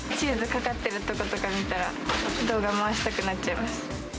チーズかかっているとことか見たら、動画を回したくなっちゃいます。